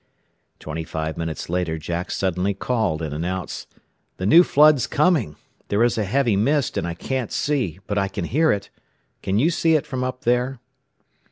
Twenty five minutes later Jack suddenly called, and announced, "The new flood's coming! There is a heavy mist, and I can't see, but I can hear it. Can you see it from up there?"